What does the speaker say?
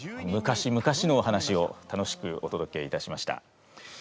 昔々のお話を楽しくおとどけいたしました。